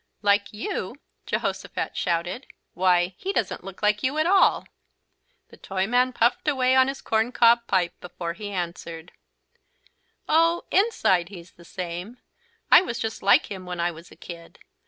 "Like you!" Jehosophat shouted. "Why he doesn't look like you at all!" The Toyman puffed away on his corncob pipe before he answered: "Oh inside he's the same. I was just like him when I was a kid.